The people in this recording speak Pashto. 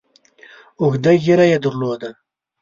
اوږده ږیره یې درلوده.